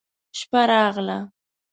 شپه راغله.